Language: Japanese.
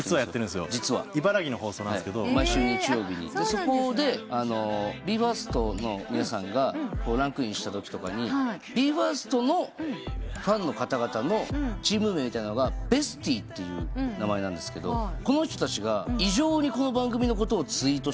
そこでＢＥ：ＦＩＲＳＴの皆さんがランクインしたときとかにＢＥ：ＦＩＲＳＴのファンの方々のチーム名みたいなのがＢＥＳＴＹって名前なんですけどこの人たちが異常にこの番組のことをツイートしてくれるようになって。